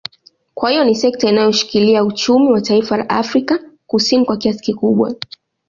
Kwa hiyo ni sekta iliyoushikila uchumi wa taifa la Afrika Kusini kwa kiasi kikubwa